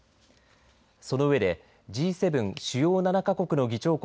その上でＧ７、主要７か国の議長国